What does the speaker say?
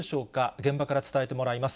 現場から伝えてもらいます。